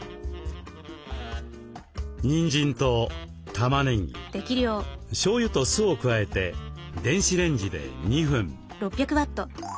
にんじんとたまねぎしょうゆと酢を加えて電子レンジで２分。